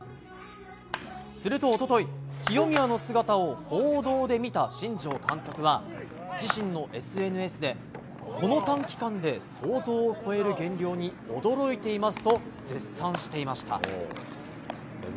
すると一昨日清宮の姿を報道で見た新庄監督は、自身のＳＮＳでこの短期間で想像を超える減量に驚いていますと絶賛していました。